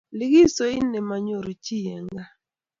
Likisoit ne manyoruu chii eng kaa.